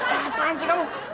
apaan sih kamu